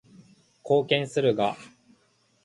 貢献するが